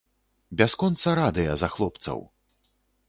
Бясконца радыя за хлопцаў!